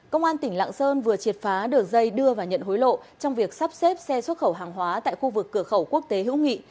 công an tỉnh lạng sơn vừa triệt phá đường dây đưa và nhận hối lộ trong việc sắp xếp xe xuất khẩu hàng hóa tại khu vực cửa khẩu quốc tế hữu nghị